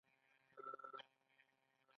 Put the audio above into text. د کاناډا پاسپورت ډیر قوي دی.